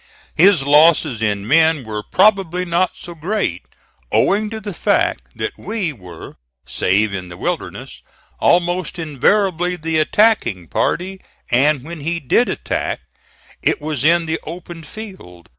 His losses in men were probably not so great, owing to the fact that we were, save in the Wilderness, almost invariably the attacking party; and when he did attack, it was in the open field.